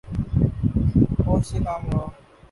ہوش سے کام لو